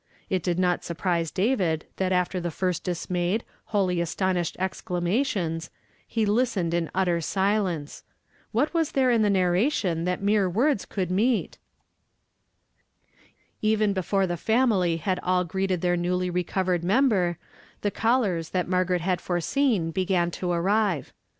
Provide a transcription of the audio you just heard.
It did not su ri)rise David that after the lirst dismayed, wholly astonished exel tions, he listened in utter sil ama in th ence. What was tliere e narmtiou tJiat mere words coukl meet? 62 YESTERDAY FRAMED IN TO DAY. Even before the family had all greeted their newly recovered member, the callei^ that Margaret had foreseen began to arrive.